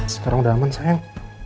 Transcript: sekarang udah aman sayang